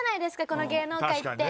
この芸能界って。